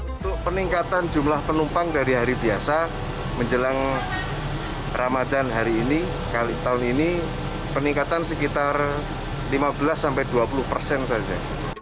untuk peningkatan jumlah penumpang dari hari biasa menjelang ramadan hari ini tahun ini peningkatan sekitar lima belas sampai dua puluh persen saja